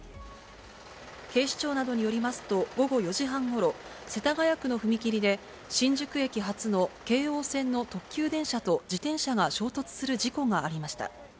警視庁などによりますと、午後４時半ごろ、世田谷区の踏切で新宿駅発の京王線の特急電車と自転車が衝突する事故がありました。